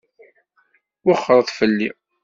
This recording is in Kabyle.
Wexxṛet fell-i!